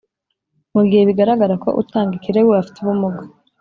Mu gihe bigaragara ko utanga ikirego afite ubumuga